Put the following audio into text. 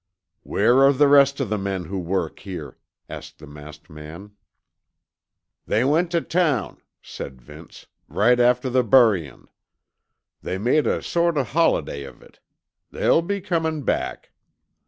"Where are the rest of the men who work here?" asked the masked man. "They went tuh town," said Vince, "right after the buryin'. They made a sort o' holiday of it. They'll be comin' back."